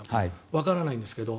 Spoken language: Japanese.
わからないんですけど。